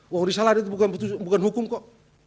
wah risalah itu bukan hukum kok